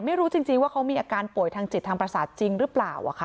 ไม่รู้จริงว่าเขามีอาการป่วยทางจิตทางประสาทจริงหรือเปล่า